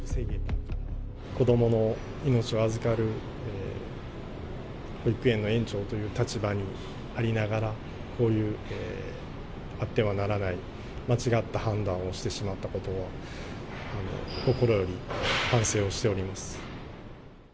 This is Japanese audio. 子どもの命を預かる保育園の園長という立場にありながら、こういうあってはならない、間違った判断をしてしまったことを心より反省をしております。